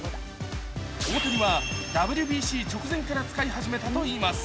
大谷はＷＢＣ直前から使い始めたといいます。